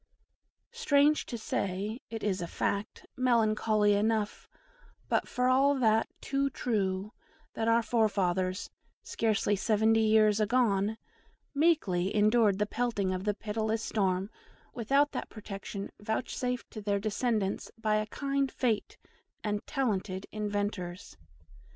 Strange to say, it is a fact, melancholy enough, but for all that too true, that our forefathers, scarce seventy years agone, meekly endured the pelting of the pitiless storm without that protection vouchsafed to their descendants by a kind fate and talented inventors.